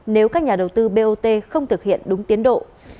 nếu các nhà đầu tư bot không thực hiện đúng tiến độ